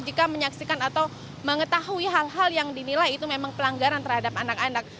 jika menyaksikan atau mengetahui hal hal yang dinilai itu memang pelanggaran terhadap anak anak